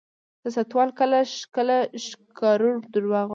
سیاستوال کله کله ښکرور دروغ وايي.